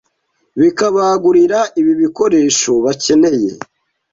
bikabagurira ibi bikoresho bakeneye